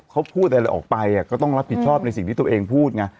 เขาพูดอะไรออกไปก็ต้องรับผิดชอบในสิ่งที่ตัวเองพูดไง